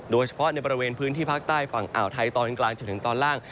โดยเฉพาะในบริเวณพื้นที่ภาคใต้ฝั่งอ่าวไทยตอนกลางจนถึงตอนล่าง